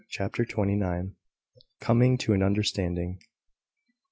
CHAPTER TWENTY NINE. COMING TO AN UNDERSTANDING.